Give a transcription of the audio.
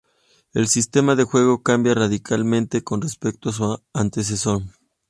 El sistema de juego cambia radicalmente con respecto a su antecesor.